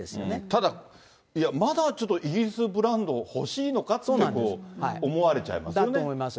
ただ、いや、まだちょっとイギリスブランド欲しいのかってこだと思います。